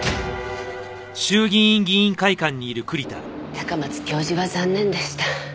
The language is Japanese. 高松教授は残念でした。